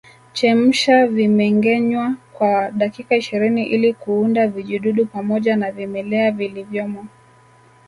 Chemsha vimengenywa kwa dakika ishirini ili kuua vijidudu pamoja na vimelea vilivyomo